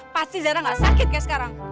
pasti zara gak sakit kayak sekarang